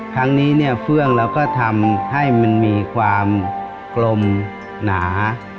ครั้งนี้เฟื่องทำให้มีความกลมหนา